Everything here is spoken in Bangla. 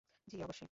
জ্বি, অবশ্যই।